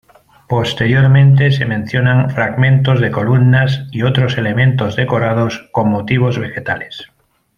Posteriormente se mencionan fragmentos de columnas y otros elementos decorados con motivos vegetales.